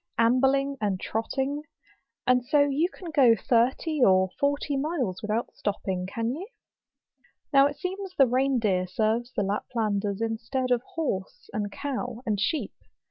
Ambling and trotting. And so you can go thirty or forty miles without stopping, can you ? Now it seems the rein deer serves the Lap¬ landers instead of horse, and cow, and sheep.